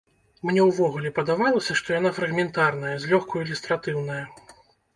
Мне ўвогуле падавалася, што яна фрагментарная, злёгку ілюстратыўная.